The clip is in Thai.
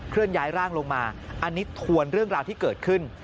เลื่อนย้ายร่างลงมาอันนี้ทวนเรื่องราวที่เกิดขึ้น